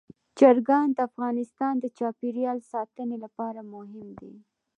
چرګان د افغانستان د چاپیریال ساتنې لپاره مهم دي.